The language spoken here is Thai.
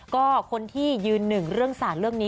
ก็คนที่ยืนหนึ่งเรื่องสารเรื่องนี้